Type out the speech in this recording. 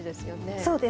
そうですね。